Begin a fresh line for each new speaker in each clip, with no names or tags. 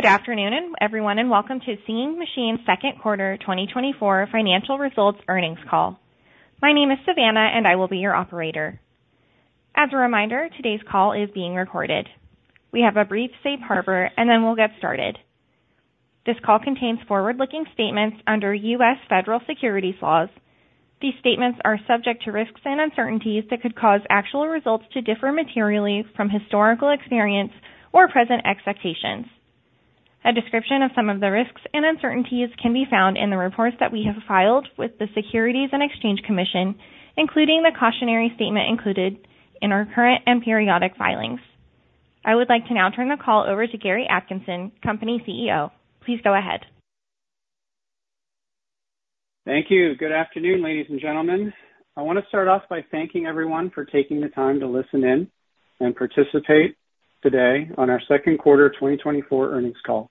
Good afternoon, everyone, and welcome to Singing Machine's second quarter 2024 financial results earnings call. My name is Savannah, and I will be your operator. As a reminder, today's call is being recorded. We have a brief safe harbor, and then we'll get started. This call contains forward-looking statements under U.S. federal securities laws. These statements are subject to risks and uncertainties that could cause actual results to differ materially from historical experience or present expectations. A description of some of the risks and uncertainties can be found in the reports that we have filed with the Securities and Exchange Commission, including the cautionary statement included in our current and periodic filings. I would like to now turn the call over to Gary Atkinson, Company CEO. Please go ahead.
Thank you. Good afternoon, ladies and gentlemen. I want to start off by thanking everyone for taking the time to listen in and participate today on our second quarter 2024 earnings call.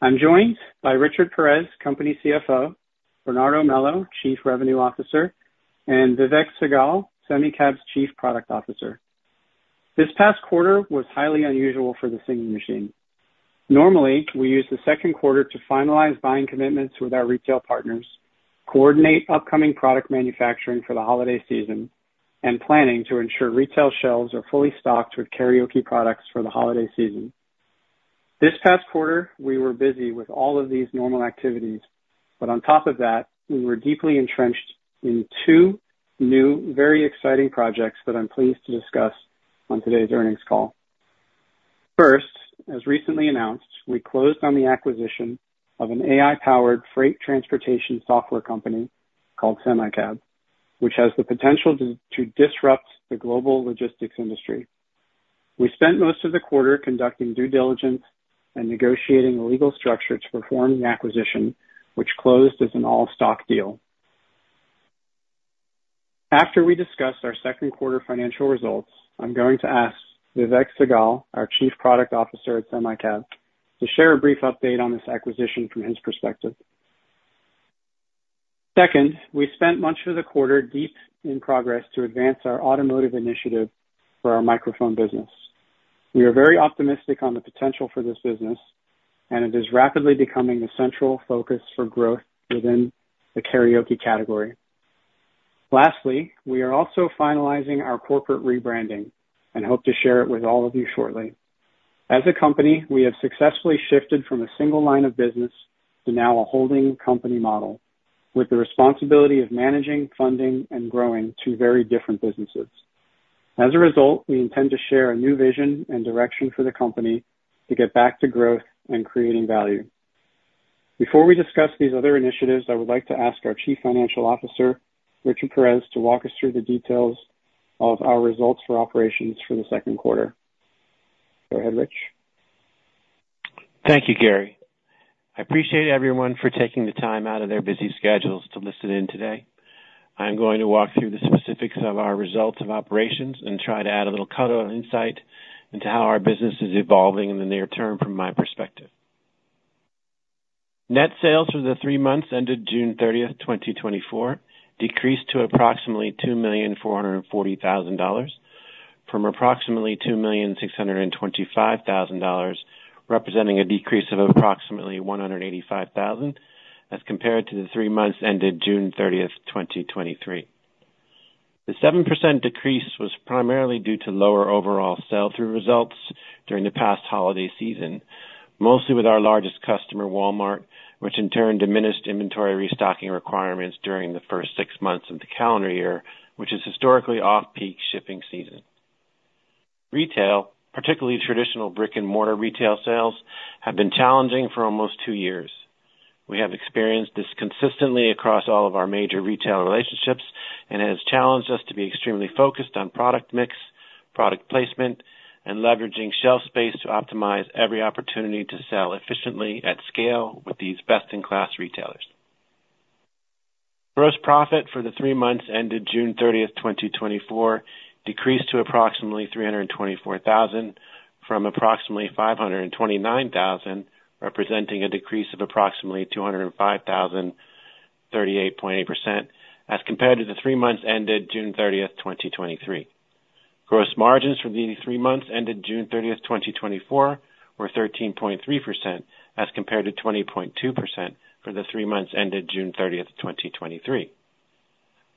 I'm joined by Richard Perez, CFO, Bernardo Melo, Chief Revenue Officer, and Vivek Sehgal, SemiCab's Chief Product Officer. This past quarter was highly unusual for the Singing Machine. Normally, we use the second quarter to finalize buying commitments with our retail partners, coordinate upcoming product manufacturing for the holiday season, and planning to ensure retail shelves are fully stocked with karaoke products for the holiday season. This past quarter, we were busy with all of these normal activities, but on top of that, we were deeply entrenched in two new, very exciting projects that I'm pleased to discuss on today's earnings call.
First, as recently announced, we closed on the acquisition of an AI-powered freight transportation software company called SemiCab, which has the potential to disrupt the global logistics industry. We spent most of the quarter conducting due diligence and negotiating a legal structure to perform the acquisition, which closed as an all-stock deal. After we discuss our second quarter financial results, I'm going to ask Vivek Sehgal, our Chief Product Officer at SemiCab, to share a brief update on this acquisition from his perspective. Second, we spent much of the quarter deep in progress to advance our automotive initiative for our microphone business. We are very optimistic on the potential for this business, and it is rapidly becoming a central focus for growth within the karaoke category. Lastly, we are also finalizing our corporate rebranding and hope to share it with all of you shortly. As a company, we have successfully shifted from a single line of business to now a holding company model, with the responsibility of managing, funding, and growing two very different businesses. As a result, we intend to share a new vision and direction for the company to get back to growth and creating value. Before we discuss these other initiatives, I would like to ask our Chief Financial Officer, Richard Perez, to walk us through the details of our results for operations for the second quarter. Go ahead, Rich.
Thank you, Gary. I appreciate everyone for taking the time out of their busy schedules to listen in today. I'm going to walk through the specifics of our results of operations and try to add a little color and insight into how our business is evolving in the near term, from my perspective. Net sales for the three months ended June thirtieth, 2024, decreased to approximately $2.44 million, from approximately $2.625 million, representing a decrease of approximately $185,000, as compared to the three months ended June thirtieth, 2023.
The 7% decrease was primarily due to lower overall sell-through results during the past holiday season, mostly with our largest customer, Walmart, which in turn diminished inventory restocking requirements during the first six months of the calendar year, which is historically off-peak shipping season. Retail, particularly traditional brick-and-mortar retail sales, have been challenging for almost two years. We have experienced this consistently across all of our major retail relationships and has challenged us to be extremely focused on product mix, product placement, and leveraging shelf space to optimize every opportunity to sell efficiently at scale with these best-in-class retailers. Gross profit for the three months ended June thirtieth, 2024, decreased to approximately $324,000, from approximately $529,000, representing a decrease of approximately $205,000, 38.8%, as compared to the three months ended June thirtieth, 2023. Gross margins for the three months ended June thirtieth, 2024, were 13.3%, as compared to 20.2% for the three months ended June thirtieth, 2023.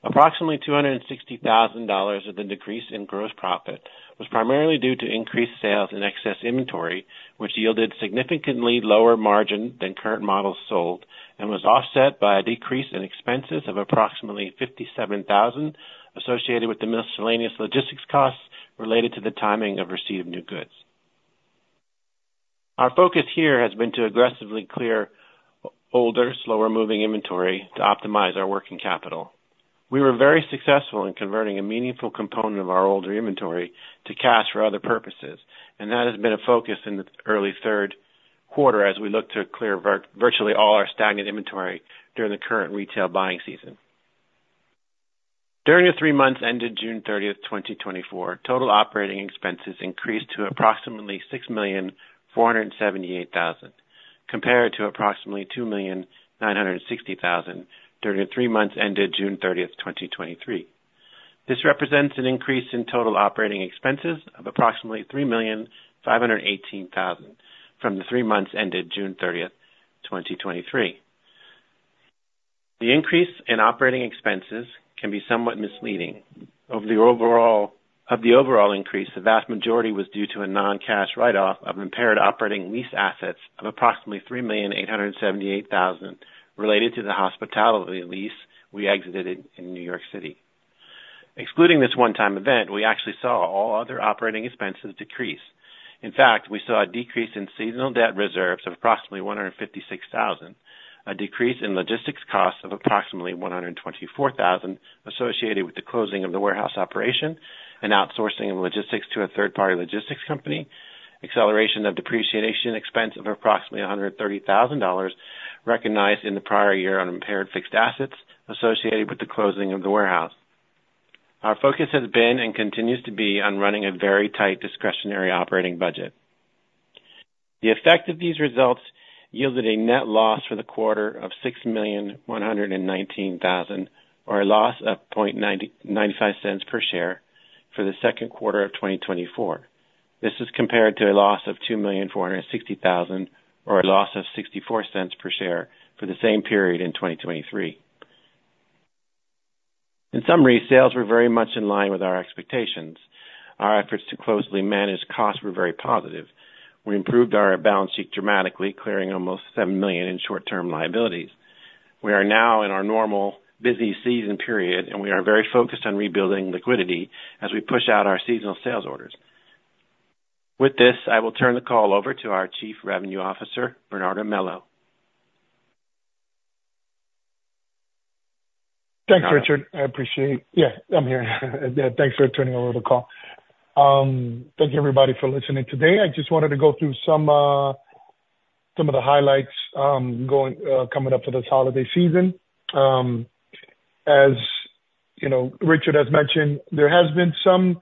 Approximately $260,000 of the decrease in gross profit was primarily due to increased sales in excess inventory, which yielded significantly lower margin than current models sold and was offset by a decrease in expenses of approximately $57,000, associated with the miscellaneous logistics costs related to the timing of receipt of new goods. Our focus here has been to aggressively clear older, slower-moving inventory to optimize our working capital. We were very successful in converting a meaningful component of our older inventory to cash for other purposes, and that has been a focus in the early third quarter as we look to clear virtually all our stagnant inventory during the current retail buying season. During the three months ended June 30, 2024, total operating expenses increased to approximately $6,478,000, compared to approximately $2,960,000 during the three months ended June 30, 2023. This represents an increase in total operating expenses of approximately $3,518,000 from the three months ended June 30, 2023. The increase in operating expenses can be somewhat misleading. Of the overall increase, the vast majority was due to a non-cash write-off of impaired operating lease assets of approximately $3,878,000, related to the hospitality lease we exited in New York City. Excluding this one-time event, we actually saw all other operating expenses decrease. In fact, we saw a decrease in seasonal debt reserves of approximately $156,000, a decrease in logistics costs of approximately $124,000, associated with the closing of the warehouse operation and outsourcing of logistics to a third-party logistics company. Acceleration of depreciation expense of approximately $130,000, recognized in the prior year on impaired fixed assets associated with the closing of the warehouse. Our focus has been, and continues to be, on running a very tight discretionary operating budget. The effect of these results yielded a net loss for the quarter of $6,119,000, or a loss of $0.95 per share for the second quarter of 2024. This is compared to a loss of $2,460,000, or a loss of $0.64 per share for the same period in 2023. In summary, sales were very much in line with our expectations. Our efforts to closely manage costs were very positive. We improved our balance sheet dramatically, clearing almost $7 million in short-term liabilities. We are now in our normal busy season period, and we are very focused on rebuilding liquidity as we push out our seasonal sales orders. With this, I will turn the call over to our Chief Revenue Officer, Bernardo Melo. Thanks, Richard. I appreciate... Yeah, I'm here. Yeah, thanks for turning over the call. Thank you, everybody, for listening today. I just wanted to go through some of the highlights coming up for this holiday season. As you know, Richard has mentioned, there has been some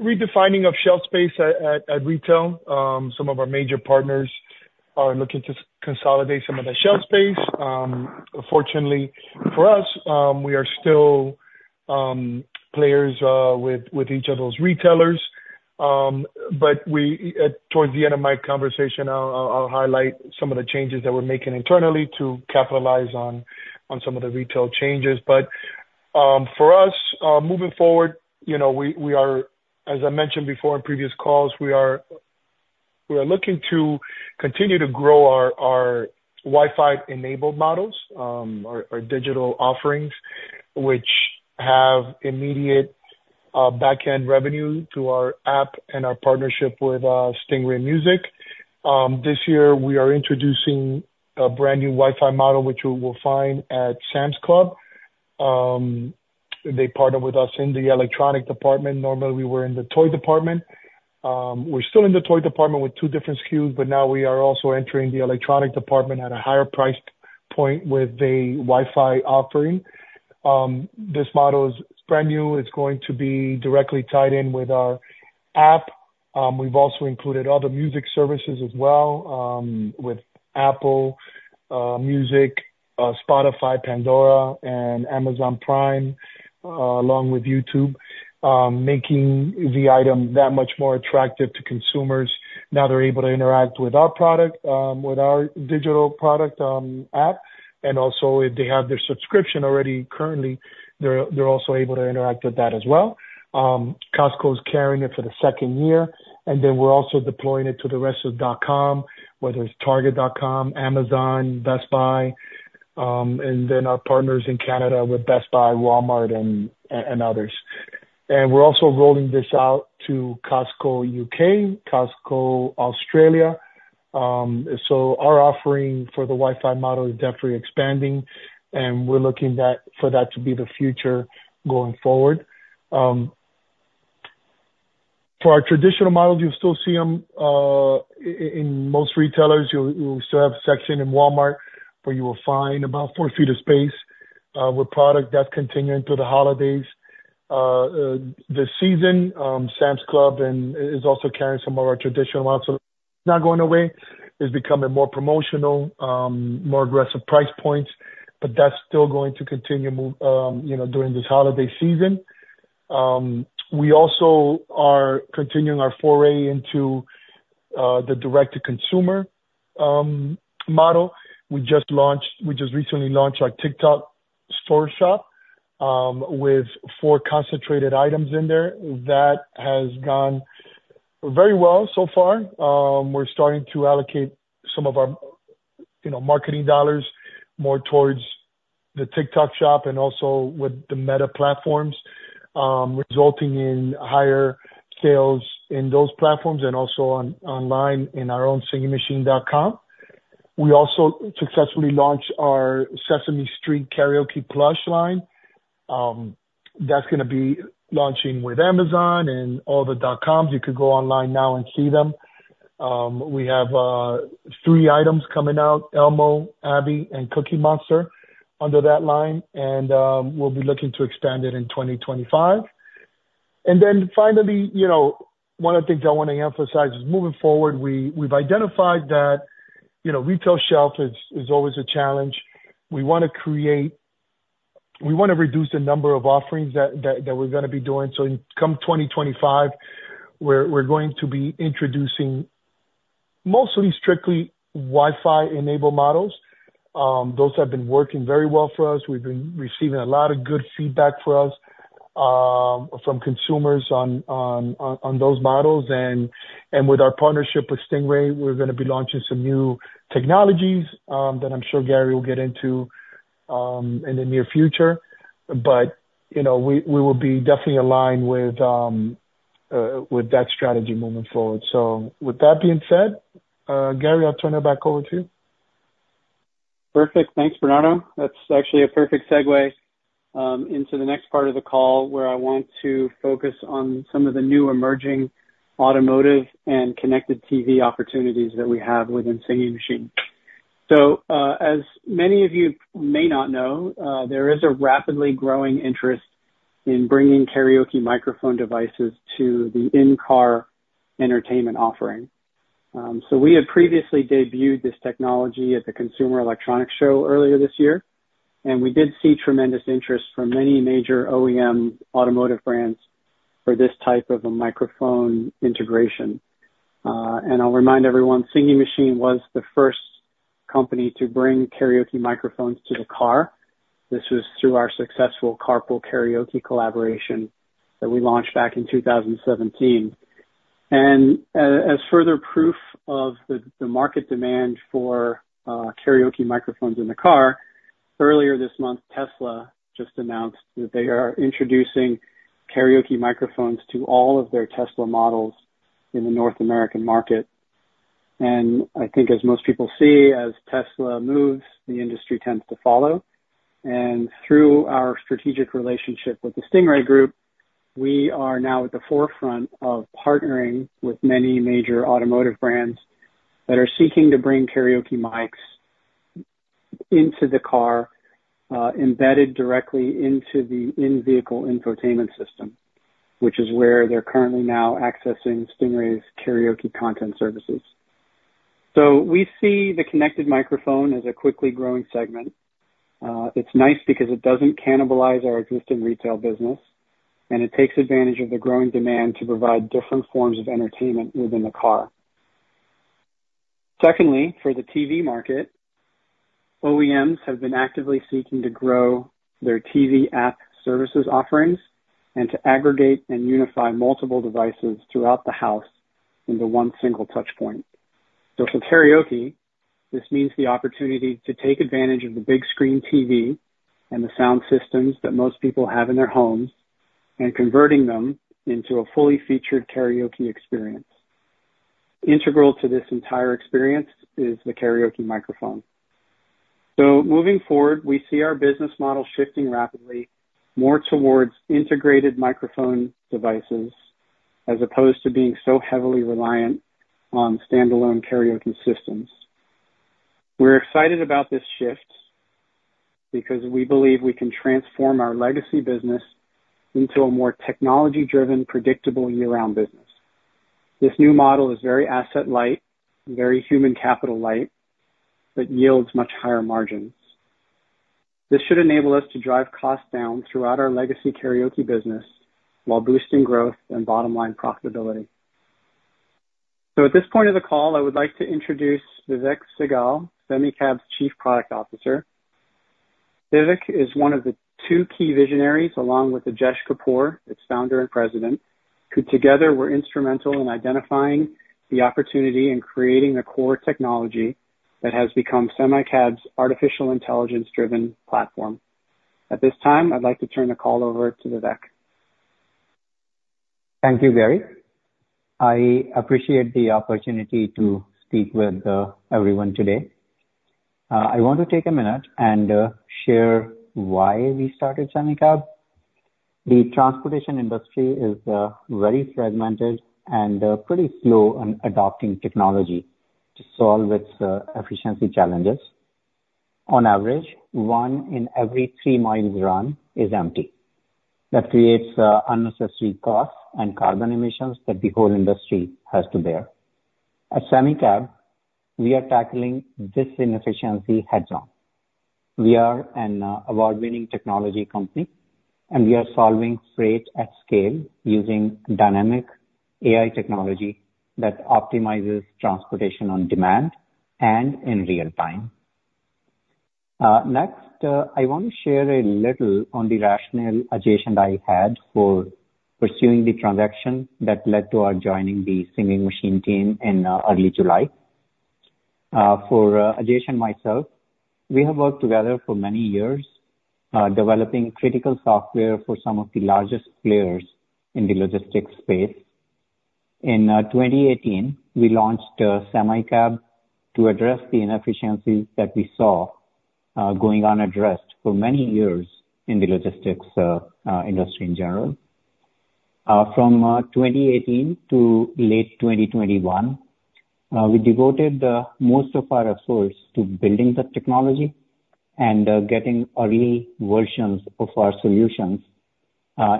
redefining of shelf space at retail. Some of our major partners are looking to consolidate some of the shelf space. Fortunately for us, we are still players with each of those retailers. But towards the end of my conversation, I'll highlight some of the changes that we're making internally to capitalize on some of the retail changes. For us, moving forward, you know, we are, as I mentioned before in previous calls, looking to continue to grow our Wi-Fi-enabled models, our digital offerings, which have immediate, backend revenue to our app and our partnership with Stingray Music. This year, we are introducing a brand new Wi-Fi model, which you will find at Sam's Club. They partner with us in the electronic department. Normally, we were in the toy department. We're still in the toy department with two different SKUs, but now we are also entering the electronic department at a higher price point with a Wi-Fi offering. This model is brand new. It's going to be directly tied in with our app. We've also included other music services as well, with Apple Music, Spotify, Pandora, and Amazon Prime, along with YouTube, making the item that much more attractive to consumers. Now they're able to interact with our product, with our digital product, app, and also if they have their subscription already currently, they're also able to interact with that as well. Costco is carrying it for the second year, and then we're also deploying it to the rest of dotcom, whether it's Target.com, Amazon, Best Buy, and then our partners in Canada with Best Buy, Walmart, and others, and we're also rolling this out to Costco UK, Costco Australia. Our offering for the Wi-Fi model is definitely expanding, and we're looking for that to be the future going forward. For our traditional models, you'll still see them in most retailers. You'll still have a section in Walmart where you will find about four feet of space with product that's continuing through the holidays. This season, Sam's Club is also carrying some of our traditional models. Not going away, it's becoming more promotional, more aggressive price points, but that's still going to continue move, you know, during this holiday season. We also are continuing our foray into the direct-to-consumer model. We just recently launched our TikTok Shop with four concentrated items in there. That has gone very well so far. We're starting to allocate some of our, you know, marketing dollars more towards the TikTok shop and also with the Meta Platforms, resulting in higher sales in those platforms and also online in our own singingmachine.com. We also successfully launched our Sesame Street Karaoke Plush line. That's gonna be launching with Amazon and all the dotcoms. You could go online now and see them. We have three items coming out, Elmo, Abby, and Cookie Monster, under that line, and we'll be looking to expand it in twenty twenty-five. Then finally, you know, one of the things I want to emphasize is, moving forward, we've identified that, you know, retail shelf is always a challenge. We want to reduce the number of offerings that we're going to be doing. Come 2025, we're going to be introducing mostly strictly Wi-Fi-enabled models. Those have been working very well for us. We've been receiving a lot of good feedback for us from consumers on those models. With our partnership with Stingray, we're going to be launching some new technologies that I'm sure Gary will get into in the near future. You know, we will be definitely aligned with that strategy moving forward. With that being said, Gary, I'll turn it back over to you.
Perfect. Thanks, Bernardo. That's actually a perfect segue into the next part of the call, where I want to focus on some of the new emerging automotive and connected TV opportunities that we have within Singing Machine. So, as many of you may not know, there is a rapidly growing interest in bringing karaoke microphone devices to the in-car entertainment offering. So we had previously debuted this technology at the Consumer Electronics Show earlier this year, and we did see tremendous interest from many major OEM automotive brands for this type of a microphone integration. And I'll remind everyone, Singing Machine was the first company to bring karaoke microphones to the car. This was through our successful Carpool Karaoke collaboration that we launched back in two thousand and seventeen.
As further proof of the market demand for karaoke microphones in the car, earlier this month, Tesla just announced that they are introducing karaoke microphones to all of their Tesla models in the North American market. And I think as most people see, as Tesla moves, the industry tends to follow. And through our strategic relationship with the Stingray Group, we are now at the forefront of partnering with many major automotive brands that are seeking to bring karaoke mics into the car, embedded directly into the in-vehicle infotainment system, which is where they're currently now accessing Stingray's karaoke content services. So we see the connected microphone as a quickly growing segment. It's nice because it doesn't cannibalize our existing retail business, and it takes advantage of the growing demand to provide different forms of entertainment within the car. Secondly, for the TV market, OEMs have been actively seeking to grow their TV app services offerings and to aggregate and unify multiple devices throughout the house into one single touch point. So for karaoke, this means the opportunity to take advantage of the big screen TV and the sound systems that most people have in their homes, and converting them into a fully featured karaoke experience. Integral to this entire experience is the karaoke microphone. So moving forward, we see our business model shifting rapidly, more towards integrated microphone devices, as opposed to being so heavily reliant on standalone karaoke systems. We're excited about this shift, because we believe we can transform our legacy business into a more technology-driven, predictable, year-round business. This new model is very asset light, very human capital light, but yields much higher margins. This should enable us to drive costs down throughout our legacy karaoke business, while boosting growth and bottom line profitability. So at this point of the call, I would like to introduce Vivek Sehgal, SemiCab's Chief Product Officer. Vivek is one of the two key visionaries, along with Ajesh Kapur, its Founder and President, who together were instrumental in identifying the opportunity and creating the core technology that has become SemiCab's artificial intelligence-driven platform. At this time, I'd like to turn the call over to Vivek.
Thank you, Gary. I appreciate the opportunity to speak with everyone today. I want to take a minute and share why we started SemiCab. The transportation industry is very fragmented and pretty slow on adopting technology to solve its efficiency challenges. On average, one in every three miles run is empty. That creates unnecessary costs and carbon emissions that the whole industry has to bear. At SemiCab, we are tackling this inefficiency head-on. We are an award-winning technology company, and we are solving freight at scale using dynamic AI technology that optimizes transportation on demand and in real time. Next, I want to share a little on the rationale Ajesh and I had for pursuing the transaction that led to our joining the Singing Machine team in early July.
For Ajesh and myself, we have worked together for many years, developing critical software for some of the largest players in the logistics space. In 2018, we launched SemiCab to address the inefficiencies that we saw going unaddressed for many years in the logistics industry in general. From 2018 to late 2021, we devoted the most of our resource to building the technology and getting early versions of our solutions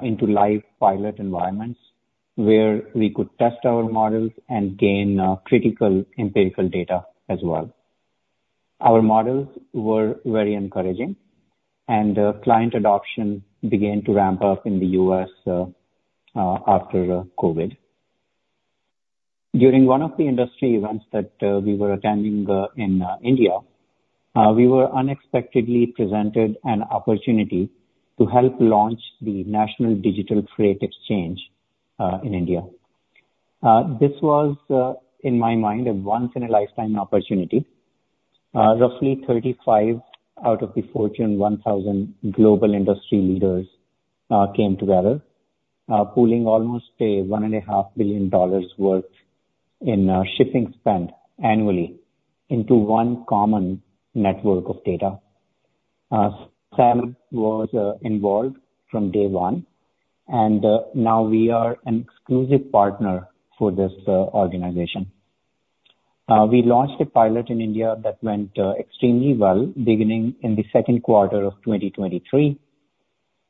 into live pilot environments, where we could test our models and gain critical empirical data as well. Our models were very encouraging, and client adoption began to ramp up in the U.S. after COVID. During one of the industry events that we were attending in India, we were unexpectedly presented an opportunity to help launch the National Digital Freight Exchange in India. This was in my mind a once in a lifetime opportunity. Roughly thirty-five out of the Fortune 1000 global industry leaders came together, pooling almost $1.5 billion worth in shipping spend annually into one common network of data. SemiCab was involved from day one, and now we are an exclusive partner for this organization. We launched a pilot in India that went extremely well, beginning in the second quarter of 2023,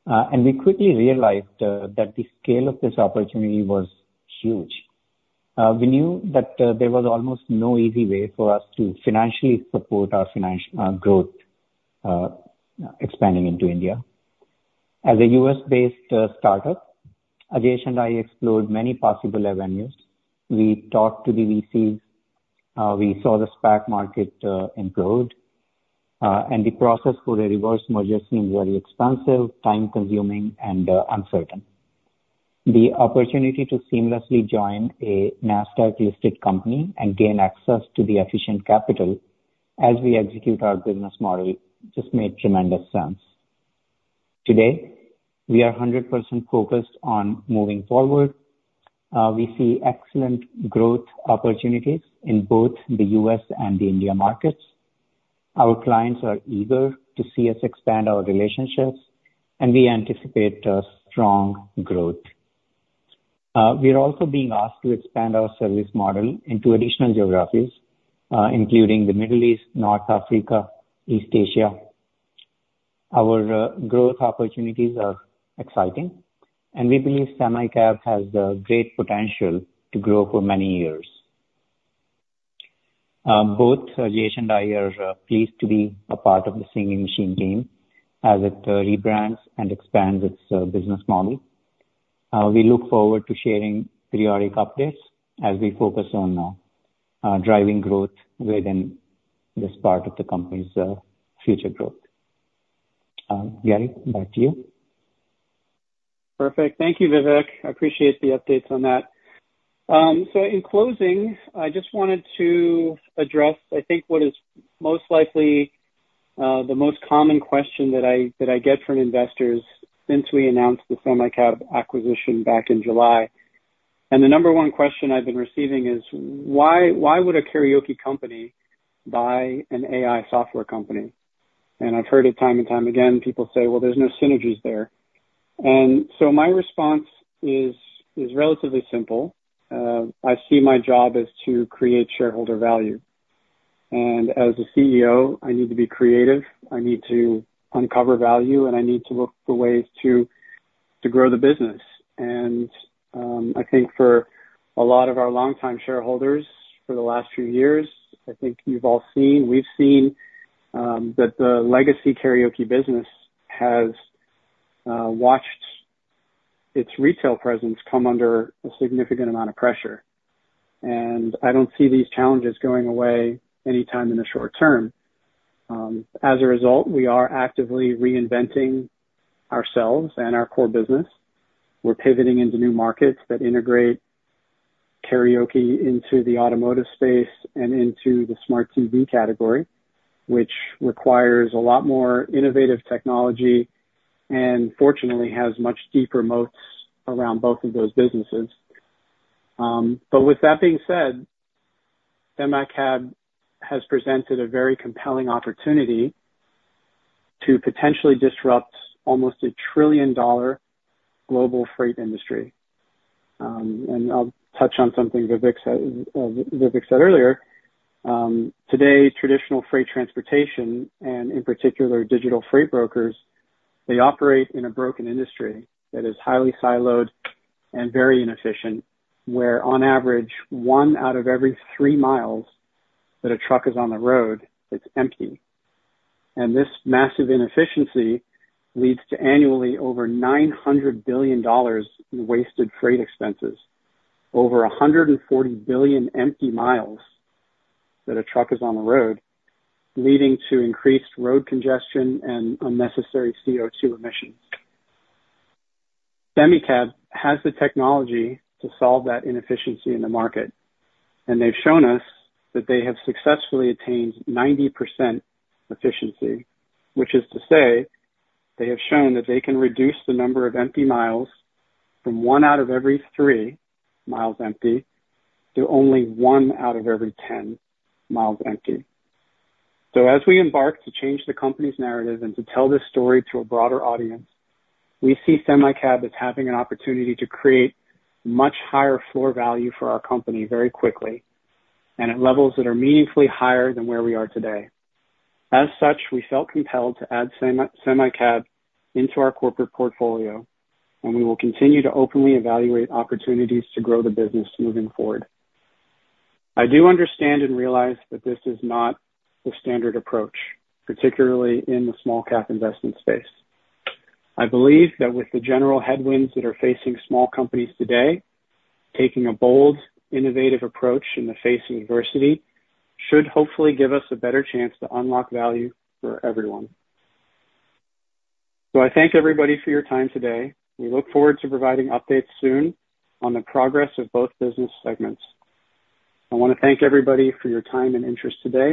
and we quickly realized that the scale of this opportunity was huge. We knew that there was almost no easy way for us to financially support our growth expanding into India. As a U.S.-based startup, Ajesh and I explored many possible avenues. We talked to the VCs. We saw the SPAC market improved, and the process for a reverse merger seemed very expensive, time-consuming, and uncertain. The opportunity to seamlessly join a NASDAQ-listed company and gain access to the efficient capital as we execute our business model just made tremendous sense. Today, we are 100% focused on moving forward. We see excellent growth opportunities in both the U.S. and the India markets. Our clients are eager to see us expand our relationships, and we anticipate strong growth. We are also being asked to expand our service model into additional geographies, including the Middle East, North Africa, East Asia. Our growth opportunities are exciting, and we believe SemiCab has the great potential to grow for many years. Both Ajesh and I are pleased to be a part of the Singing Machine team as it rebrands and expands its business model. We look forward to sharing periodic updates as we focus on driving growth within this part of the company's future growth. Gary, back to you.
Perfect. Thank you, Vivek. I appreciate the updates on that. So in closing, I just wanted to address, I think what is most likely the most common question that I get from investors since we announced the SemiCab acquisition back in July. And the number one question I've been receiving is: Why would a karaoke company buy an AI software company? And I've heard it time and time again. People say, "Well, there's no synergies there." And so my response is relatively simple. I see my job as to create shareholder value, and as a CEO, I need to be creative, I need to uncover value, and I need to look for ways to grow the business.
I think for a lot of our longtime shareholders for the last few years, I think you've all seen, we've seen, that the legacy karaoke business has watched its retail presence come under a significant amount of pressure, and I don't see these challenges going away anytime in the short term. As a result, we are actively reinventing ourselves and our core business. We're pivoting into new markets that integrate karaoke into the automotive space and into the smart TV category, which requires a lot more innovative technology, and fortunately, has much deeper moats around both of those businesses, but with that being said, SemiCab has presented a very compelling opportunity to potentially disrupt almost a trillion-dollar global freight industry, and I'll touch on something Vivek said earlier. Today, traditional freight transportation, and in particular, digital freight brokers, they operate in a broken industry that is highly siloed and very inefficient, where on average, one out of every three miles that a truck is on the road, it's empty. This massive inefficiency leads to annually over $900 billion in wasted freight expenses, over 140 billion empty miles that a truck is on the road, leading to increased road congestion and unnecessary CO2 emissions. SemiCab has the technology to solve that inefficiency in the market, and they've shown us that they have successfully attained 90% efficiency, which is to say, they have shown that they can reduce the number of empty miles from one out of every three miles empty, to only one out of every ten miles empty. So as we embark to change the company's narrative and to tell this story to a broader audience, we see SemiCab as having an opportunity to create much higher floor value for our company very quickly, and at levels that are meaningfully higher than where we are today. As such, we felt compelled to add SemiCab into our corporate portfolio, and we will continue to openly evaluate opportunities to grow the business moving forward. I do understand and realize that this is not the standard approach, particularly in the small cap investment space. I believe that with the general headwinds that are facing small companies today, taking a bold, innovative approach in the face of adversity, should hopefully give us a better chance to unlock value for everyone. So I thank everybody for your time today. We look forward to providing updates soon on the progress of both business segments. I want to thank everybody for your time and interest today.